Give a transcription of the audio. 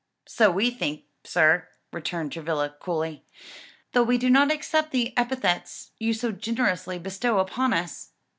"So we think, sir," returned Travilla coolly, "though we do not accept the epithets you so generously bestow upon us."